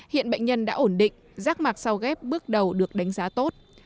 hiện bệnh nhân đã ổn định rác mạc sau ghép bước đầu được đánh giá tốt